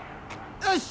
よし。